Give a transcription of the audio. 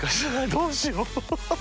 どうしよう。